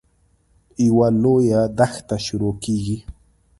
یوه لویه دښته شروع کېږي.